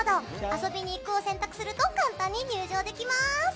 遊びに行くを選択すると入場できます。